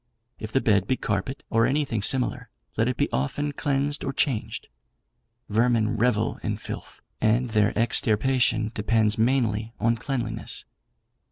If the bed be carpet, or anything similar, let it be often cleansed or changed. Vermin revel in filth, and their extirpation depends mainly on cleanliness.